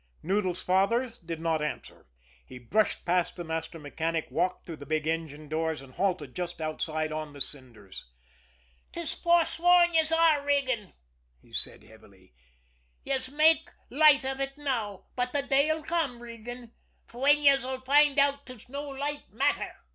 Noodles' father did not answer. He brushed past the master mechanic, walked through the big engine doors, and halted just outside on the cinders. "'Tis forsworn yez are, Regan," he said heavily. "Yez may make light av ut now, but the day'll come, Regan, fwhen yez'll find out 'tis no light matter.